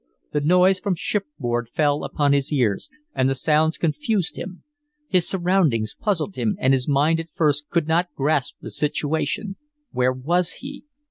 The noise from shipboard fell upon his ears, and the sounds confused him. His surroundings puzzled him and his mind at first could not grasp the situation. Where was he?